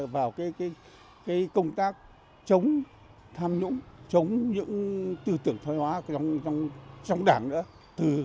vào công tác chống tham nhũng chống những tư tưởng thoái hóa trong đảng nữa